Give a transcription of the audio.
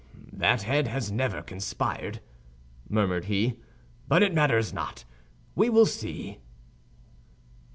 "That head has never conspired," murmured he, "but it matters not; we will see."